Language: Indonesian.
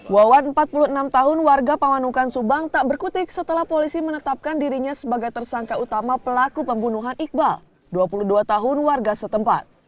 wawan empat puluh enam tahun warga pamanukan subang tak berkutik setelah polisi menetapkan dirinya sebagai tersangka utama pelaku pembunuhan iqbal dua puluh dua tahun warga setempat